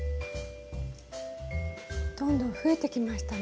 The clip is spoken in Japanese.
どんどん増えてきましたね。